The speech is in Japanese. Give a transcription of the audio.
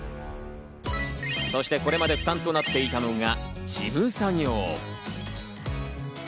そして、これまで負担となっていたのが事務作業。